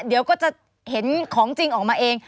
เดี๋ยวก็จะเห็นของจริงออกมาเอง